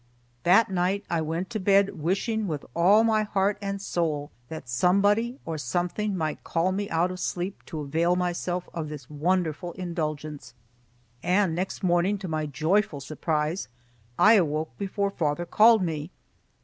That night I went to bed wishing with all my heart and soul that somebody or something might call me out of sleep to avail myself of this wonderful indulgence; and next morning to my joyful surprise I awoke before father called me.